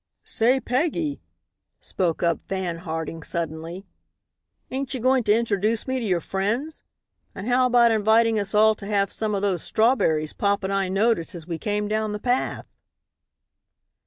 "Say Peggy," spoke up Fan Harding, suddenly, "ain't you going to introduce me to your friends? And how about inviting us all to have some of those strawberries Pop and I noticed as we came down the path?"